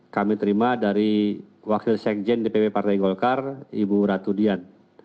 kami terima dari wakil sekjen dpp partai golkar ibu ratu dian